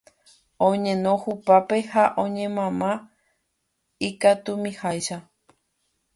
Oñeno hupápe ha oñemama ikatumiháicha